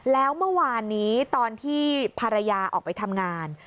แล้วเมื่อวานนี้ตอนที่ภรรยาออกไปทำงาน